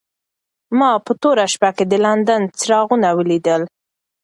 ما په توره شپه کې د لندن څراغونه ولیدل.